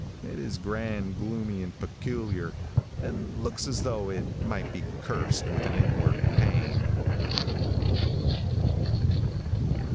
It is grand, gloomy and peculiar, and looks as though it might be cursed with an inward pain.